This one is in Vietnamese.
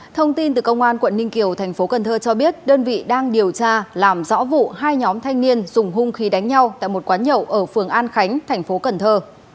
thông tin từ công an quận ninh kiều thành phố cần thơ cho biết đơn vị đang điều tra làm rõ vụ hai nhóm thanh niên dùng hung khí đánh nhau tại một quán nhậu ở phường an khánh thành phố cần thơ